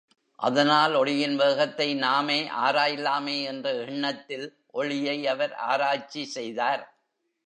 அதனால், ஒளியின் வேகத்தை நாமே ஆராய்லாமே என்ற எண்ணத்தில் ஒளியை அவர் ஆராய்ச்சி செய்தார்!